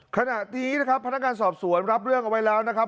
ขณะนี้นะครับพนักงานสอบสวนรับเรื่องเอาไว้แล้วนะครับ